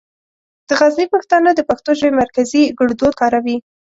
د غزني پښتانه د پښتو ژبې مرکزي ګړدود کاروي.